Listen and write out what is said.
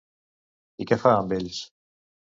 I què fa amb ells?